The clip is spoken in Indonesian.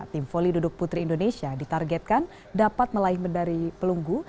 tim volley duduk putri indonesia ditargetkan dapat melahir medali pelunggu